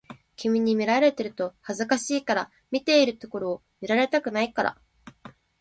君に見られると恥ずかしいから、見ているところを見られたくないから